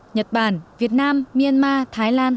nhật bản việt nam myanmar thái lan